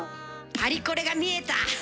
パリコレが見えた！